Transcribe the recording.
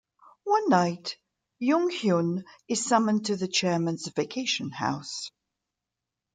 One night, Jung-hyun is summoned to the chairman's vacation house.